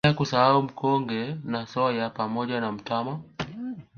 Bila kusahau Mkonge na Soya pamoja na mtama